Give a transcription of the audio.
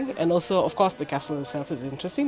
dan tentu saja kastil itu menarik sejarahnya